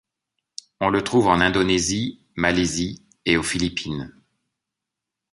On le trouve en Indonésie, Malaisie et aux Philippines.